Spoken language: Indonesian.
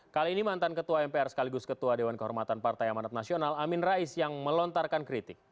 kali ini mantan ketua mpr sekaligus ketua dewan kehormatan partai amanat nasional amin rais yang melontarkan kritik